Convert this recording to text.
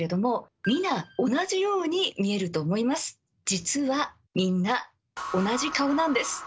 実はみんな同じ顔なんです。